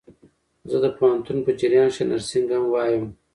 زه د پوهنتون په جریان کښي نرسينګ هم وايم.